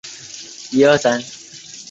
大雄图曾在赢出赢出一哩半的让赛。